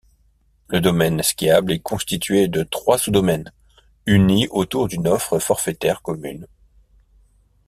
Le domaine skiable est constitué de trois sous-domaines, unis autour d'une offre forfaitaire commune.